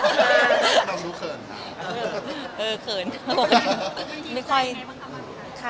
ขนาดนั้นหนูเขินครับ